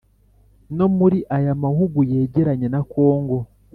no muri aya mahugu yegeranye na kongo,